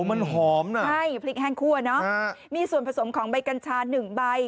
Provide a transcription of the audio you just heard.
มันหอมน่ะใช่พริกแห้งคั่วเนอะมีส่วนผสมของใบกัญชาหนึ่งใบ